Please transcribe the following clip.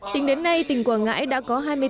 tính đến nay tỉnh quảng ngãi đã có hai người bệnh